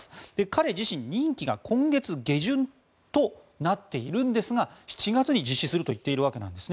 彼自身、任期が今月下旬となっているんですが７月に実施すると言ってるわけです。